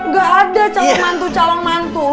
gak ada calon mantu calon mantu